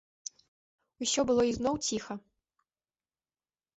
Усё было ізноў ціха.